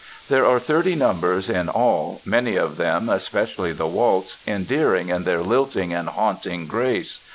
There are thirty numbers in all, many of them, especially the waltz, endearing in their lilting and haunting grace.